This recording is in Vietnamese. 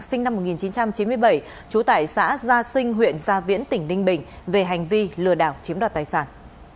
sinh năm một nghìn chín trăm chín mươi bảy trú tại xã gia sinh huyện gia viễn tỉnh ninh bình về hành vi lừa đảo chiếm đoạt tài sản